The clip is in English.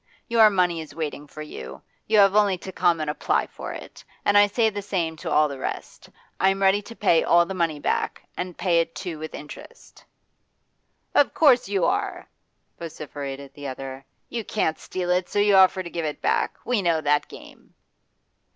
Your money is waiting for you: you have only to come and apply for it. And I say the same to all the rest. I am ready to pay all the money back, and pay it too with interest.' 'Of course you are!' vociferated the other. 'You can't steal it, so you offer to give it back. We know that game.